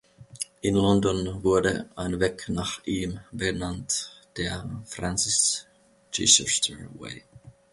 In London wurde ein Weg nach ihm benannt, der „Francis-Chichester-Way“.